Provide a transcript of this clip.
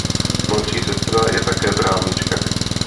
Mladší sestra je také právnička.